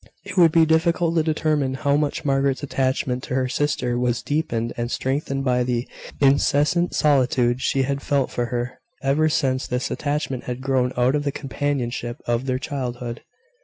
It would be difficult to determine how much Margaret's attachment to her sister was deepened and strengthened by the incessant solicitude she had felt for her, ever since this attachment had grown out of the companionship of their childhood.